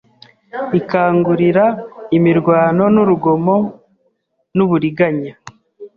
Ikangurira imirwano n urugomo nuburiganya